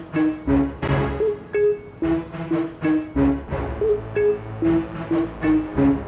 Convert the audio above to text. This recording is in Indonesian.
lebih mantab akan nyangkut